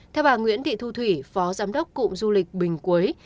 theo bà nguyễn thị thu thủy phó giám đốc cụm du lịch bình quế